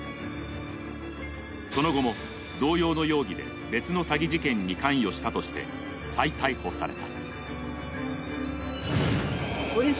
その後も同様の容疑で別の詐欺事件に関与したとして再逮捕された。